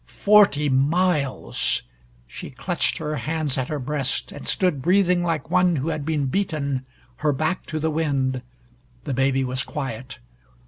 Forty miles! She clutched her hands at her breast, and stood breathing like one who had been beaten, her back to the wind. The baby was quiet.